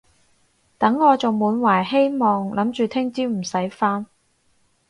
等我仲滿懷希望諗住聽朝唔使返